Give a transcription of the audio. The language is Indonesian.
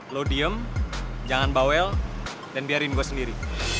lo diem jangan bawel dan biarin gue sendiri